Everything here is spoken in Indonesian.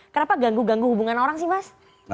kenapa ganggu ganggu hubungan orang sih mas